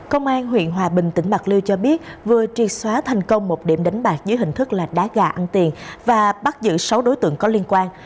công an huyện hòa bình tỉnh bạc liêu cho biết vừa triệt xóa thành công một điểm đánh bạc dưới hình thức là đá gà ăn tiền và bắt giữ sáu đối tượng có liên quan